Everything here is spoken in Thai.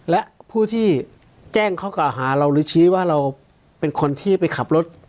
เขาก็หาเราหรือชี้ว่าเราเป็นคนที่ไปขับรถ